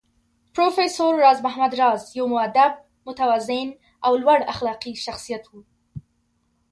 پروفېسر راز محمد راز يو مودب، متوازن او لوړ اخلاقي شخصيت و